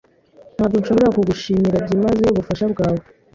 Ntabwo nshobora kugushimira byimazeyo ubufasha bwawe.